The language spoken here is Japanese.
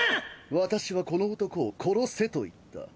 私はこの男を殺せと言った。